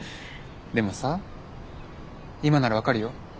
でもさ今なら分かるよ。